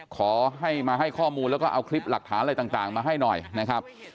ขอให้มาให้ข้อมูลแล้วก็เอาคลิปหลักฐานอะไรต่างมาให้หน่อยนะครับ